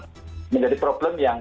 dan ini memang menjadi problem yang ya